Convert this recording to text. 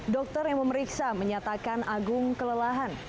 dokter yang memeriksa menyatakan agung kelelahan